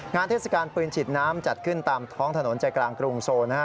เทศกาลปืนฉีดน้ำจัดขึ้นตามท้องถนนใจกลางกรุงโซนะฮะ